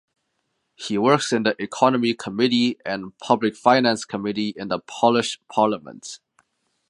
He works in the Economy Committee and Public Finance Committee in the Polish Parliament.